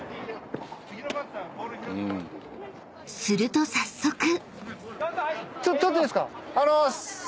［すると早速］